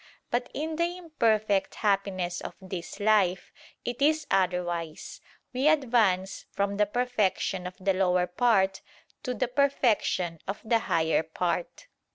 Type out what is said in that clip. But in the imperfect happiness of this life, it is otherwise; we advance from the perfection of the lower part to the perfection of the higher part.